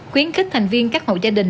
khuyến khích thành viên các hậu gia đình